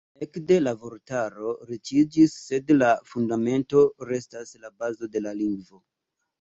Ekde, la vortaro riĉiĝis sed la Fundamento restas la bazo de la lingvo.